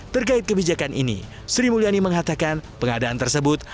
terkait kebijakan ini sri mulyani mengatakan pengadaan tersebut